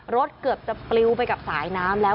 เกือบจะปลิวไปกับสายน้ำแล้ว